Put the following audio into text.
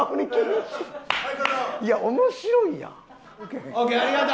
いや面白いやん。